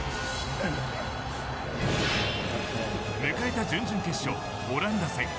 迎えた準々決勝オランダ戦。